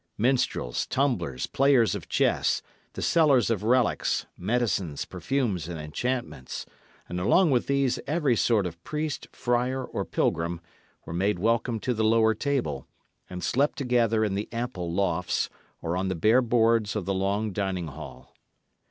Minstrels, tumblers, players of chess, the sellers of relics, medicines, perfumes, and enchantments, and along with these every sort of priest, friar, or pilgrim, were made welcome to the lower table, and slept together in the ample lofts, or on the bare boards of the long dining hall.